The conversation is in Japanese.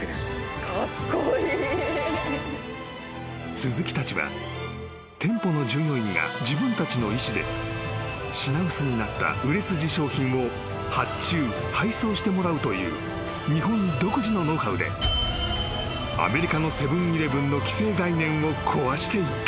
［鈴木たちは店舗の従業員が自分たちの意思で品薄になった売れ筋商品を発注配送してもらうという日本独自のノウハウでアメリカのセブン―イレブンの］